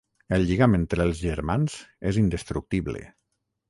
El lligam entre els germans és indestructible.